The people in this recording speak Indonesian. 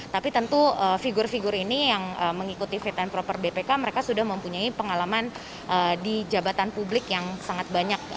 tapi tentu figur figur ini yang mengikuti fit and proper bpk mereka sudah mempunyai pengalaman di jabatan publik yang sangat banyak